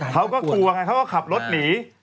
เขาก็กลัวไงเขาก็ขับรถหนี